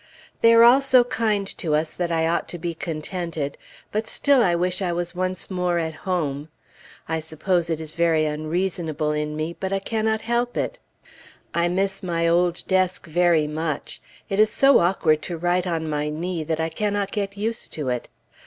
They are all so kind to us that I ought to be contented; but still I wish I was once more at home. I suppose it is very unreasonable in me, but I cannot help it. I miss my old desk very much; it is so awkward to write on my knee that I cannot get used to it.